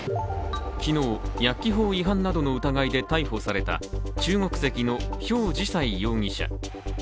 昨日、薬機法違反などの疑いで逮捕された中国籍のヒョウ・ジサイ容疑者。